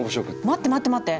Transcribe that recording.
待って待って待って。